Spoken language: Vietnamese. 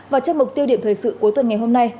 và trong mục tiêu điểm thời sự cuối tuần ngày hôm nay